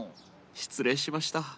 失礼しました。